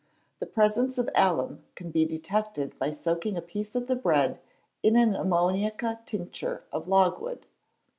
The presence of alum can be detected by soaking a piece of the bread in an ammoniaca tincture of logwood.